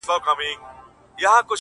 سري وخت دی؛ ځان له دغه ښاره باسه؛